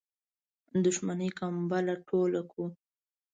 دښمنی کمبله ټوله کړو.